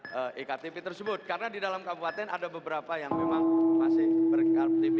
dan ektp tersebut karena di dalam kabupaten ada beberapa yang memang masih berktp